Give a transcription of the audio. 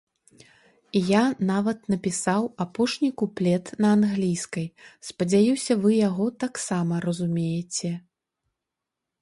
Я нават напісаў апошні куплет на англійскай, спадзяюся, вы яго таксама разумееце.